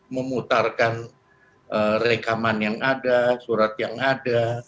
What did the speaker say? memutarkan rekaman yang ada surat yang ada